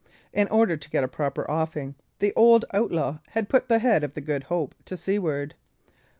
In order to get a proper offing, the old outlaw had put the head of the Good Hope to seaward.